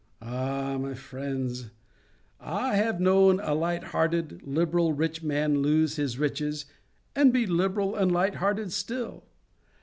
Ah, my friends, I have known a light hearted, liberal rich man lose his riches, and be liberal and light hearted still.